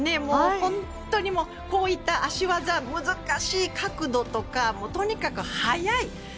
本当にこういった脚技難しい角度とかとにかく速い。